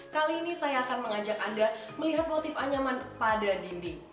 kali ini saya akan mengajak anda melihat motif anyaman pada dinding